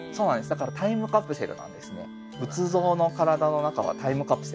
だからタイムカプセルなんですね。